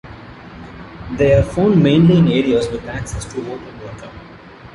They are found mainly in areas with access to open water.